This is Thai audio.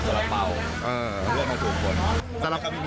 แม่ขันมาแม่